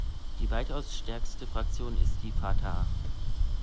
Die weitaus stärkste Fraktion ist die Fatah.